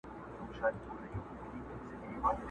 په خپل کور کي یې پردی پر زورور دی٫